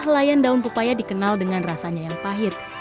layan daun pepaya dikenal dengan rasanya yang pahit